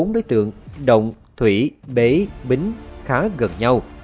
động thủy bế bính khá gần nhau